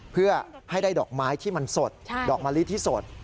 เพื่อให้ได้ดอกไม้ที่มันสดดอกมะลิที่สด